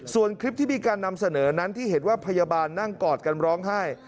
ส่วนคลิปที่มีการนำเสนอนั้นที่เห็นว่าพยาบาลนั่งกอดกันร้องไห้